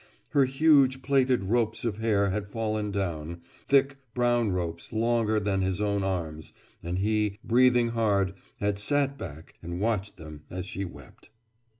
Her huge plaited ropes of hair had fallen down, thick brown ropes longer than his own arms, and he, breathing hard, had sat back and watched them as she wept.